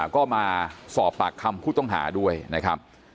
ก็มาสอบปากคำผู้ต้องหาด้วยนะครับ